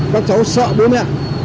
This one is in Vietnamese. các cháu sợ bố mẹ